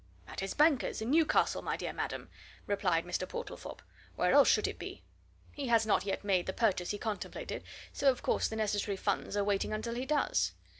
"At his bankers' in Newcastle, my dear madam!" replied Mr. Portlethorpe. "Where else should it be? He has not yet made the purchase he contemplated, so of course the necessary funds are waiting until he does.